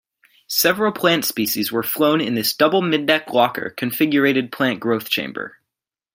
Several plant species were flown in this double middeck locker configurated plant growth chamber.